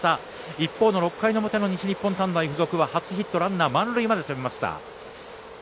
一方の６回の表の西日本短大付属は初ヒット、ランナー満塁まで攻めました。